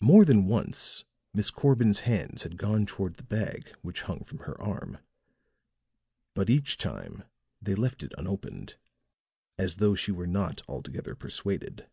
More than once Miss Corbin's hands had gone toward the bag which hung from her arm; but each time they left it unopened, as though she were not altogether persuaded.